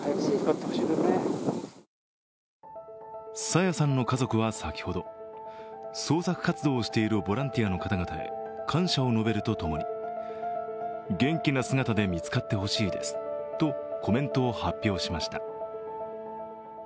朝芽さんの家族は先ほど捜索活動をしているボランティアの方々へ感謝を述べると共に元気な姿で見つかってほしいですとコメントを発表しました。